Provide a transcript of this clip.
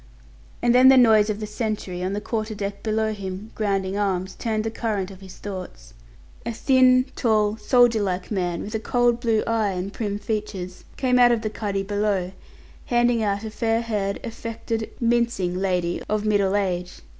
And then the noise of the sentry, on the quarter deck below him, grounding arms, turned the current of his thoughts. A thin, tall, soldier like man, with a cold blue eye, and prim features, came out of the cuddy below, handing out a fair haired, affected, mincing lady, of middle age.